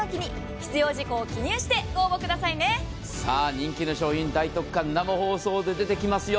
人気の商品大特価、生放送で出てきますよ。